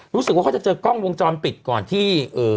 รู้สึกว่าเขาจะเจอกล้องวงจรปิดก่อนที่